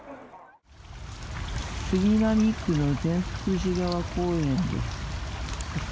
杉並区の善福寺川公園です。